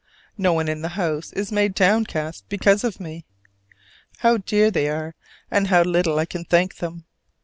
No one in the house is made downcast because of me. How dear they are, and how little I can thank them!